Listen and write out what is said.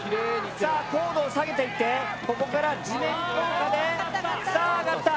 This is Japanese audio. さあ高度を下げていってここから地面効果でさあ上がった。